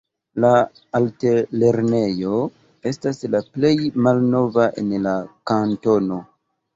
La altlernejo estas la plej malnova en la kantono.